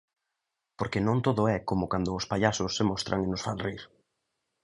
Porque non todo é como cando os pallasos se mostran e nos fan rir.